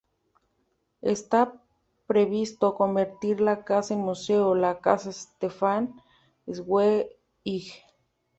Está previsto convertir la casa en museo, la Casa Stefan Zweig.